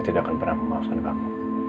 tidak akan pernah memaksakan kamu